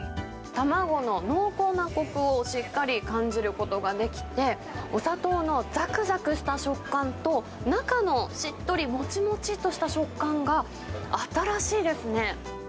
卵の濃厚なコクをしっかり感じることができて、お砂糖のざくざくした食感と、中のしっとりもちもちっとした食感が新しいですね。